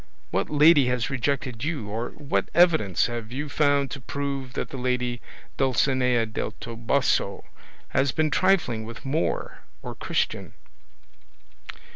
What lady has rejected you, or what evidence have you found to prove that the lady Dulcinea del Toboso has been trifling with Moor or Christian?"